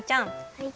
はい。